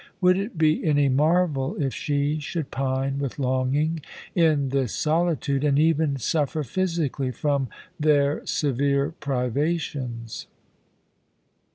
Would it be any marvel if she should pine with longing in this solitude, and even suffer physically from their severe privations?